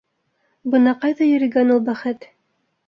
Бына ҡайҙа йөрөгән ул бәхет?